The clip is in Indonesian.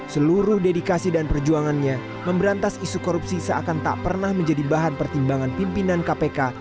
seluruh dedikasi dan perjuangannya memberantas isu korupsi seakan tak pernah menjadi bahan pertimbangan pimpinan kpk